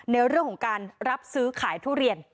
ในเรื่องของการรับซื้อขายทุเรียน